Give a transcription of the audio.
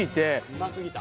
うますぎた。